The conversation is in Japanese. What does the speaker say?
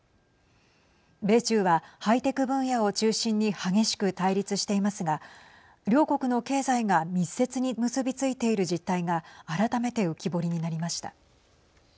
米中はハイテク分野を中心に激しく対立していますが両国の経済が密接に結び付いている実態が改めて浮き彫りになりました。